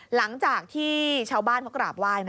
หลังจากที่ชาวบ้านเขากราบไหว้